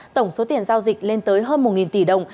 tổng số tiền giao dịch lên tới hơn một tỷ đồng